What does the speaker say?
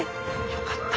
よかった。